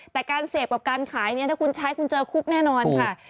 แต่การเสพกับการขายเนี่ยถ้าคุณใช้คุณเจอคุกแน่นอนค่ะ